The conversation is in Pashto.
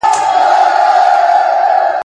چي په ژمي کي وژل کېدی